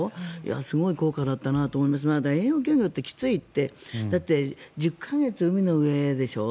すごい効果だったなと思いますが遠洋漁業ってきついってだって、１０か月海の上でしょ。